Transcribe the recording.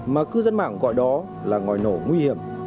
mà cư dân mạng gọi đó là ngòi nổ nguy hiểm